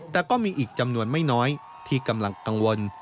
แต่ก็มีอีกจำนวนไม่น้อยที่กำลังกังวล